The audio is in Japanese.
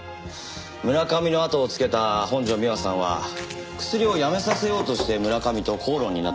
村上のあとをつけた本条美和さんはクスリをやめさせようとして村上と口論になったようなんです。